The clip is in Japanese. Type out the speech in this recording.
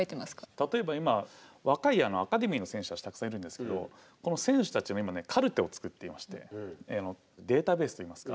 例えば今若いアカデミーの選手たちたくさんいるんですけどこの選手たちの今ねカルテを作っていましてデータベースといいますか。